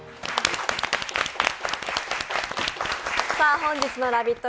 本日のラヴィット！